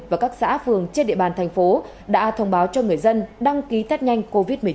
và các xã phường trên địa bàn thành phố đã thông báo cho người dân đăng ký tết nhanh covid một mươi chín